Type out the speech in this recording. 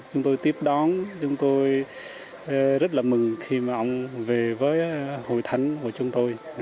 chúng tôi tiếp đón chúng tôi rất là mừng khi mà ông về với hội thánh của chúng tôi